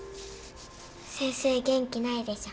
先生元気ないでしょ？